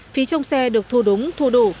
phí trong xe được thu đúng thu đủ